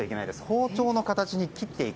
包丁の型に切っていく。